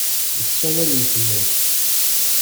La ssawalen fell-ak.